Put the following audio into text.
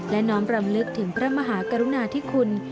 และน้อมรำลึกถึงพระมหากรุณาธิคุณ